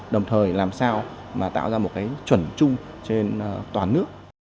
đồng thời làm sao mà tạo ra một cái chuẩn chung trên toàn nước